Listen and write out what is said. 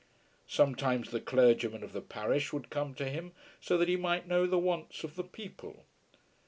Sometimes the clergyman of the parish would come to him, so that he might know the wants of the people.